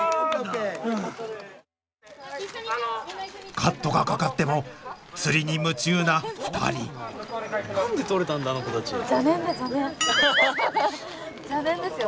カットがかかっても釣りに夢中な２人邪念ですよ。